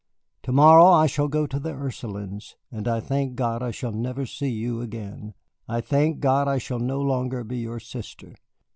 To morrow I shall go to the Ursulines, and I thank God I shall never see you again. I thank God I shall no longer be your sister.